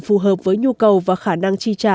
phù hợp với nhu cầu và khả năng chi trả